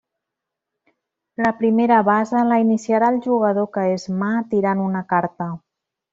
La primera basa la iniciarà el jugador que és mà tirant una carta.